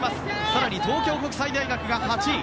更に東京国際大学が８位。